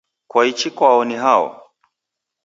Kwaichi kwao ni hao?